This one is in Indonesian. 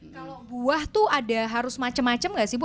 kalau buah tuh ada harus macam macam gak sih bu